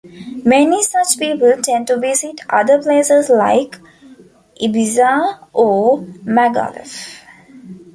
Many such people tend to visit other places like Ibiza or Magaluf.